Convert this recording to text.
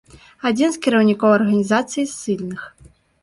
Адзін з кіраўнікоў арганізацыі ссыльных.